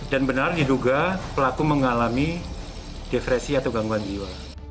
dan benar diduga pelaku mengalami defresi atau gangguan jiwa